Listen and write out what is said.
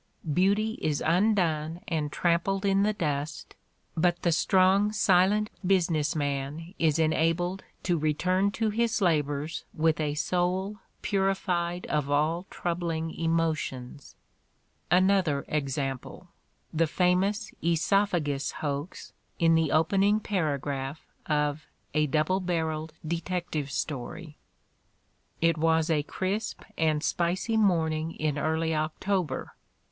Beauty is undone and trampled in the dust, but the strong, silent business man is enabled to return to his labors with a soul purified of all troubling emotions. Another example, the famous "oesophagus" hoax in the opening paragraph of "A Double Barrelled Detec tive Story": It was a crisp and spicy morning in early October.